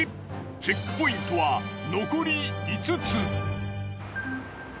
チェックポイントは残り５つ。